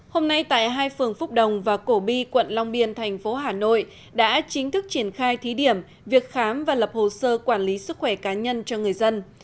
hôm nay tại hai phường phúc đồng và cổ bi quận long biên tp hcm đã chính thức triển khai thí điểm việc khám và lập hồ sơ quản lý sức khỏe cá nhân cho người dân